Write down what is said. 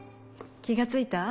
気が付いた？